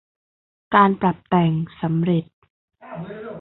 การปรับแต่งสำเร็จ